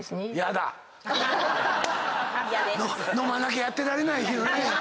飲まなきゃやってられないけどね。